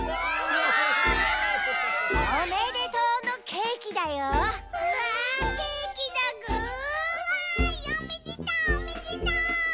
わいおめでとうおめでとう！